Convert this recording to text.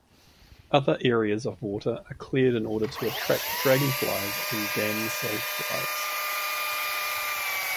Other areas of water are cleared in order to attract dragonflies and damselflies.